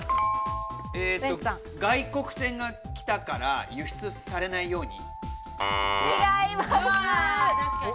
外国船が来たから、輸出されないように？